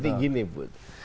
jadi gini bud